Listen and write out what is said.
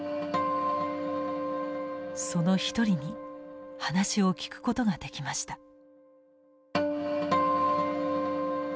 その一人に話を聞くことができました。